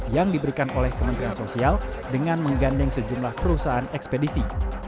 yang diberikan oleh kementerian sosial dengan menggandeng sejumlah perusahaan ekspedisi